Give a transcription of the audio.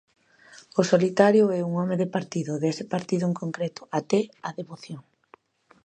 O solitario é un home de partido, dese partido en concreto, até a devoción.